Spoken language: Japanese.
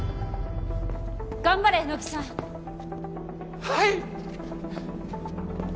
頑張れ乃木さんはい！